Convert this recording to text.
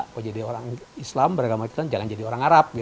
kalau jadi orang islam beragama islam jangan jadi orang arab